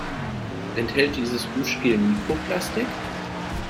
Enthält dieses Duschgel Mikroplastik?